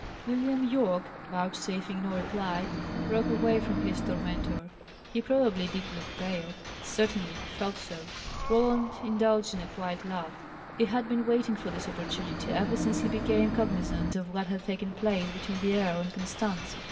William Yorke, vouchsafing no reply, broke away from his tormentor. He probably did look pale; certainly he felt so. Roland indulged in a quiet laugh. He had been waiting for this opportunity, ever since he became cognizant of what had taken place between the earl and Constance.